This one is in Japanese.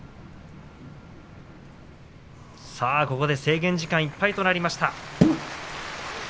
ここで制限時間いっぱいとなりました。